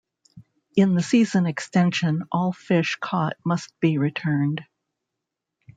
In the season extension all fish caught must be returned.